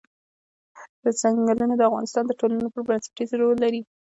ځنګلونه د افغانستان د ټولنې لپاره بنسټيز رول لري.